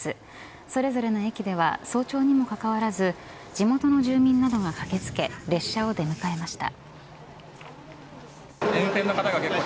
それぞれの駅では早朝にもかかわらず地元の住民などが駆け付け列車を出迎えました。